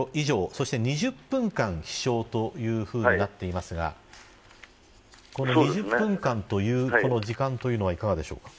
そして２０分間飛翔というふうになっていますがこれ２０分間という時間というのはいかがでしょうか。